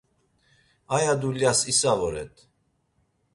Aya dulyas isa voret.